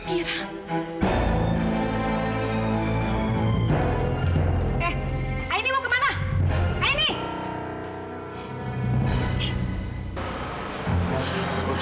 mereka memang merasa takut